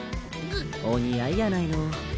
お似合いやないの。